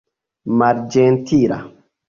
malĝentila